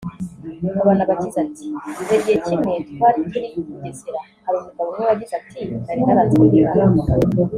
Habanabakize ati “ Hari igihe kimwe twari turi Bugesera hari umugabo umwe wagize ati ‘nari naranze kwihana